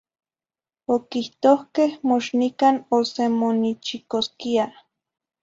Oquihtohque mox nican osemonichicosquia.